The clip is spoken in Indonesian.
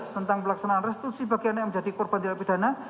tentang pelaksanaan restitusi bagian yang menjadi korban tidak pidana